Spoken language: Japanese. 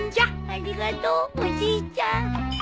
ありがとうおじいちゃん。